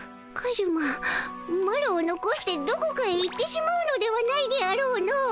カズママロをのこしてどこかへ行ってしまうのではないであろうの。